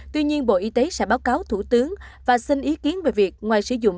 tuy nhiên bộ y tế sẽ báo cáo thủ tướng và xin ý kiến về việc ngoài sử dụng